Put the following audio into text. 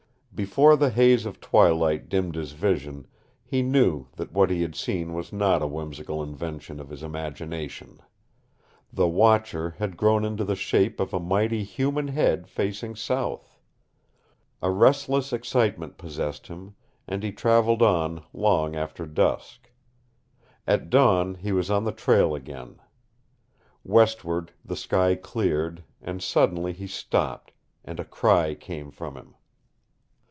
Before the haze of twilight dimmed his vision, he knew that what he had seen was not a whimsical invention of his imagination. The Watcher had grown into the shape of a mighty human head facing south. A restless excitement possessed him, and he traveled on long after dusk. At dawn he was on the trail again. Westward the sky cleared, and suddenly he stopped, and a cry came from him.